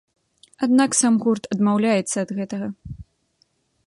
Аднак сам гурт адмаўляецца ад гэтага.